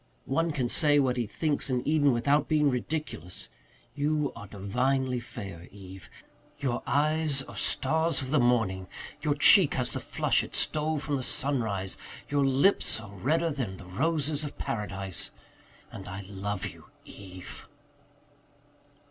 One can say what he thinks in Eden without being ridiculous. You are divinely fair, Eve. Your eyes are stars of the morning your cheek has the flush it stole from the sunrise your lips are redder than the roses of paradise. And I love you, Eve."